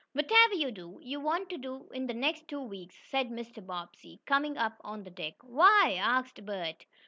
"Whatever you do, you want to do in the next two weeks," said Mr. Bobbsey, coming up on deck. "Why?" asked Bert.